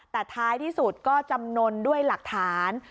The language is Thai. แต่ท้ายที่สุดก็จำนวนด้วยหลักฐาน